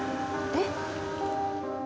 えっ？